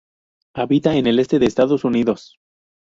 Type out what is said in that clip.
Habita en el Este de Estados Unidos.